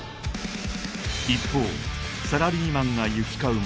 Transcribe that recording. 一方サラリーマンが行き交う街